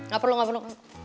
gak perlu gak perlu